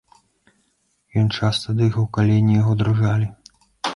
Ён часта дыхаў, калені яго дрыжалі.